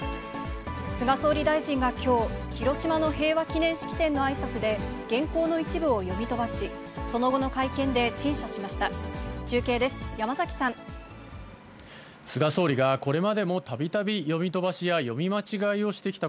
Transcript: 菅総理大臣がきょう、広島の平和記念式典のあいさつで原稿の一部を読み飛ばし、その後の会見で陳謝しました。